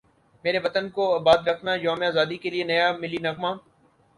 میرے وطن کو اباد رکھنایوم ازادی کے لیے نیا ملی نغمہ